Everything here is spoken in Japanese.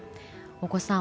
大越さん